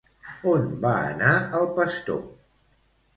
On va anar el pastor?